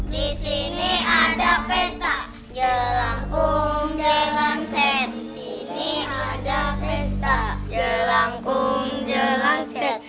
di sini ada pesta